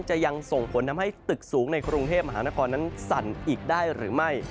จะยังส่งผลทำให้ตึกสูงในกรุงเทพมหานครนั้นสั่นอีกได้หรือไม่